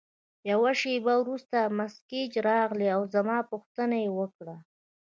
یوه شیبه وروسته مس ګیج راغله او زما پوښتنه یې وکړه.